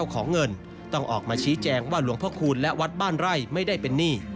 ของหลวงพ่อคูณและวัดบ้านไร่